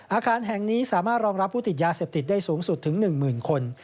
อาคารแห่งนี้สามารถรองรับผู้ติดยาเสพติดได้สูงสุดถึง๑๐๐๐คน